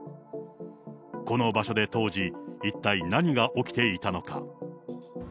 この場所で当時、一体何が起きていたのか。